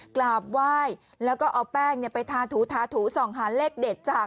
กราบไหว้แล้วก็เอาแป้งไปทาถูทาถูส่องหาเลขเด็ดจาก